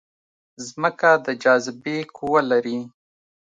ځمکه د جاذبې قوه لري